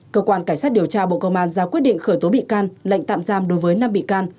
cơ quan cảnh sát điều tra bộ công an ra quyết định khởi tố bị can lệnh tạm giam đối với năm bị can